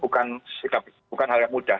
karena itu bukan hal yang mudah